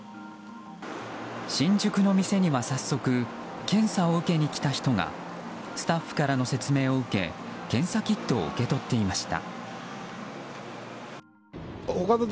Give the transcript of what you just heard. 新宿の店には早速、検査を受けに来た人がスタッフからの説明を受け検査キットを受け取っていました。